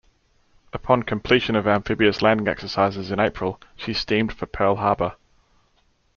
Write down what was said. Upon completion of amphibious landing exercises in April, she steamed for Pearl Harbor.